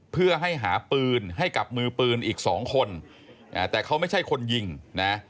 เพื่อให้หาปืนให้กับมือปืนอีกสองคนแต่เขาไม่ใช่คนยิงนะ